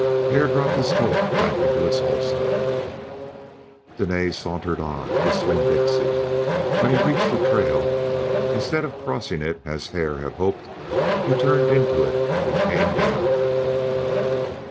Hare dropped his Colt back into its holster. Dene sauntered on, whistling "Dixie." When he reached the trail, instead of crossing it, as Hare had hoped, he turned into it and came down.